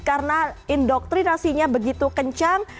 karena indoktrinasinya begitu kencang